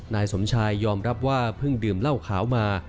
นายสมชายยอมรับว่าเพิ่งดื่มเหล้าขาวมา